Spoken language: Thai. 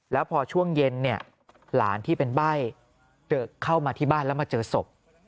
แล้วพอช่วงเย็นเนี่ยหลานที่เป็นใบ้เข้ามาที่บ้านแล้วมาเจอศพ